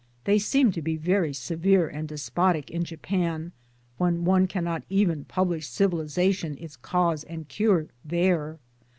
They seem to be very severe and despotic in Japan, when one cannot even publish Civilization : its Cause and Cure there.